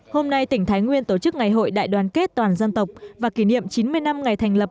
hôm nay tỉnh thái nguyên tổ chức ngày hội đại đoàn kết toàn dân tộc và kỷ niệm chín mươi năm ngày thành lập